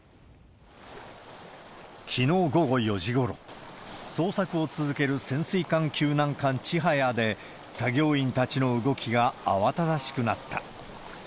きのう午後４時ごろ、捜索を続ける潜水艦救難艦ちはやで、作業員たちの動きが慌ただしくなった。